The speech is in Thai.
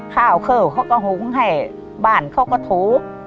ข้าวเข้าเขาก็หุงให้บ้านเขาก็ถู